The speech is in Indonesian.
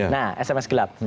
nah sms gelap